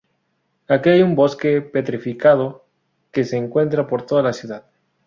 Aquí hay un Bosque petrificado que se encuentran por toda la ciudad.